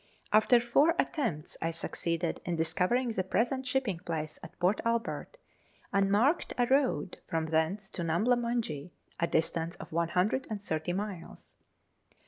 After four attempts I succeeded in discovering the present shipping place at Port Albert, and marked a road from thence to Numbla Munjee, a distance of 130 miles.